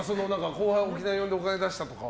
後輩に沖縄行ってお金出したとかは。